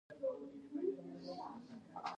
د احمد جان غوا ډیره پروړه خوري.